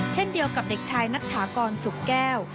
เช่นเดียวกับเด็กชายนัทถากรสุขแก้ว